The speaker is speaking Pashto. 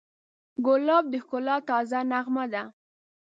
ګلاب د ښکلا تازه نغمه ده.